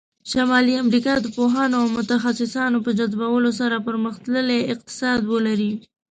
شمالي امریکا د پوهانو او متخصصانو په جذبولو سره پرمختللی اقتصاد ولری.